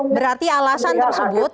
berarti alasan tersebut